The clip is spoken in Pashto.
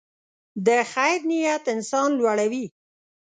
د خیر نیت انسان لوړوي.